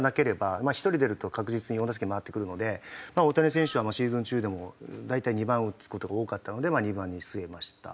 １人出ると確実に４打席回ってくるので大谷選手はシーズン中でも大体２番打つ事が多かったので２番に据えました。